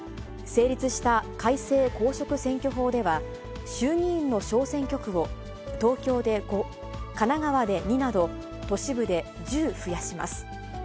成立した改正公職選挙法では、衆議院の小選挙区を、東京で５、神奈川で２など、都市部で１０増やします。